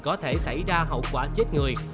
có thể xảy ra hậu quả chết người